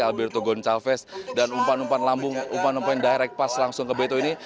alberto goncalves dan umpan umpan lambung umpan umpan direct pas langsung ke beto ini